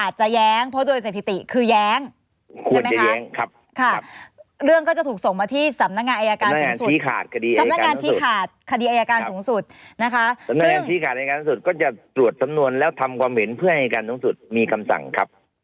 ให้อายการสูงสุดชี้ขาด